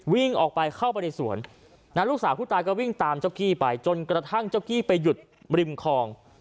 วิ่งออกไปเข้าไปในสวนลูกสาวผู้ตายก็วิ่งตามเจ้ากี้ไปจนกระทั่งเจ้ากี้ไปหยุดริมคลอง